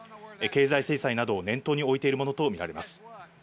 経済制裁などを念頭に置いているものと見られます。